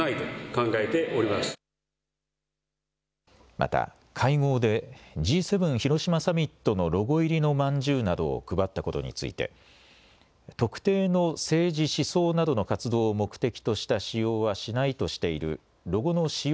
また会合でＧ７広島サミットのロゴ入りのまんじゅうなどを配ったことについて特定の政治、思想などの活動を目的とした使用はしないとしているロゴの使用